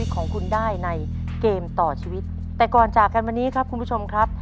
ของคุณได้ในเกมต่อชีวิตแต่ก่อนจากกันวันนี้ครับคุณผู้ชมครับ